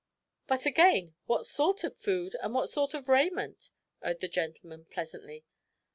'" "But, again, what sort of food, and what sort of raiment?" urged the gentleman pleasantly.